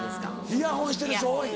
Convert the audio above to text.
イヤホンしてる人多い。